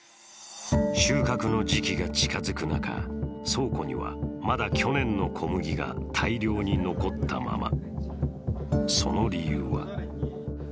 収穫の時期が近づく中、倉庫にはまだ去年の小麦が大量に残ったまま。